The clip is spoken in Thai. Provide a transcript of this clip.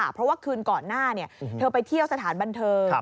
เพราะว่าคืนก่อนหน้าเธอไปเที่ยวสถานบันเทิง